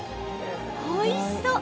おいしそう。